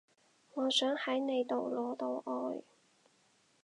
我想喺你度攞到愛